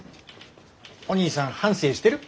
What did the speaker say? お兄さん反省してる？